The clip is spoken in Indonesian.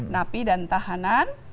napi dan tahanan